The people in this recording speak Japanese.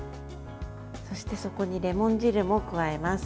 そして、そこにレモン汁も加えます。